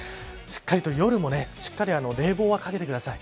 夜もしっかり冷房はかけてください。